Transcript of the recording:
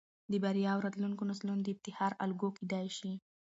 د بريا او راتلونکو نسلونه د افتخار الګو کېدى شي.